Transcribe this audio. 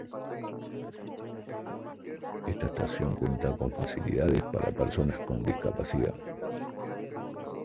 Esta estación cuenta con facilidades para personas con discapacidad.